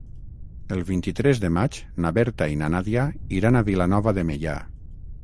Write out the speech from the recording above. El vint-i-tres de maig na Berta i na Nàdia iran a Vilanova de Meià.